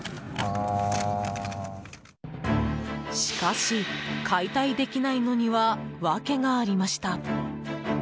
しかし、解体できないのには訳がありました。